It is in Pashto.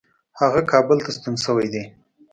هغه کابل ته ستون شوی دی.